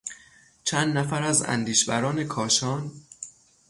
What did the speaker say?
چند نفر از اندیشوران کاشان